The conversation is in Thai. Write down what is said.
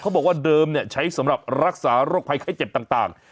บอกว่าเดิมใช้สำหรับรักษาโรคภัยไข้เจ็บต่าง